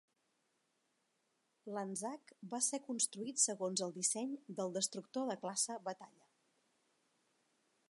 L'Anzac va ser construït segons el disseny del destructor de classe Batalla.